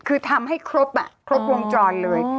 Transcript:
คือทำให้ครบครบวงจรเลย